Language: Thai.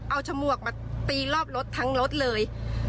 เอาฉมวกมาตีรอบรถทั้งรถเลย